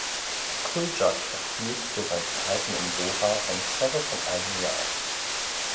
Kuljak erhielt für sein Verhalten in Doha eine Sperre von einem Jahr.